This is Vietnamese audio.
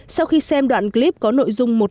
sau khi xem đoạn clip có nội dung một